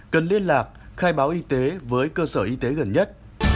cần liên lạc khai báo y tế với cơ sở y tế gần nhất